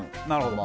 なるほど。